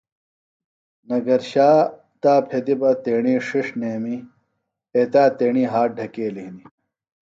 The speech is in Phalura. نگرشا تا پھیدیۡ بہ تیݨی ݜݜ نیمی ایتا تیݨی ہات ڈھکیلیۡ ہِنیۡ